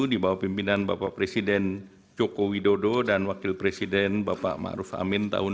di bawah pimpinan bapak presiden joko widodo dan wakil presiden bapak ma ruf amin tahun dua ribu sembilan belas dua ribu dua puluh empat